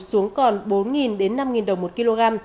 xuống còn bốn năm đồng một kg